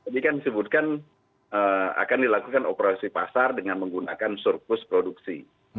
ini kan disebutkan akan dilakukan operasi pasar dengan menggunakan surplus produksi